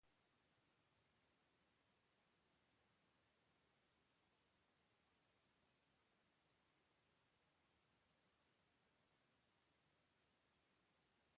Se possível, acompanhe profissionais experientes em visitas a obras.